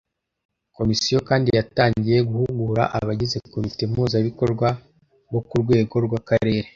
Komisiyo kandi yatangiye guhugura abagize komite mpuzabikorwa bo ku rwego rw’akarere